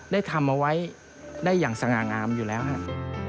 ได้ทำเอาไว้ได้อย่างสง่างามอยู่แล้วครับ